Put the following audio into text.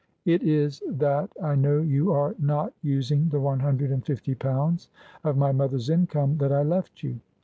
" It is that I know you are not using the one hundred and fifty pounds of my mother's income that I left you.